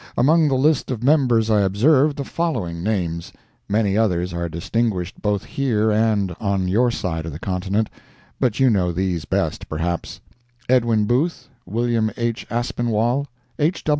Among the list of members I observed the following names—many others are distinguished both here and on your side of the continent, but you know these best, perhaps: Edwin Booth, Wm. H. Aspinwall, H.